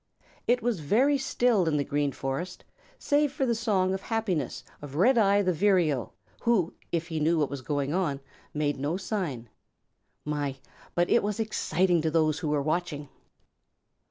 It was very still in the Green Forest save for the song of happiness of Redeye the Vireo who, if he knew what was going on, made no sign. My, but it was exciting to those who were watching!